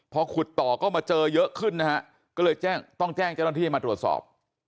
พอขุดต่อก็มาเจอเยอะขึ้นนะฮะก็เลยแจ้งต้องแจ้งเจ้าหน้าที่ให้มาตรวจสอบ